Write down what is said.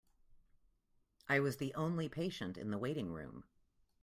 I was the only patient in the waiting room.